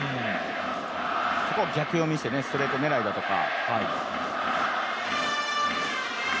そこを逆読みしてストレート狙いだとか。